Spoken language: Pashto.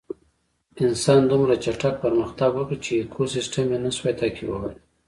انسان دومره چټک پرمختګ وکړ چې ایکوسېسټم یې نهشوی تعقیبولی.